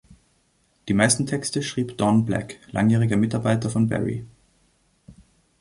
Die meisten Texte schrieb Don Black, langjähriger Mitarbeiter von Barry.